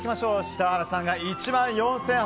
シタラさんが１万４８００円。